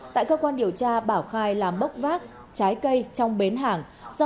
tại cơ quan điều tra anh nhẫn đã đưa ra một bản tin về tội cố ý gây thơi tích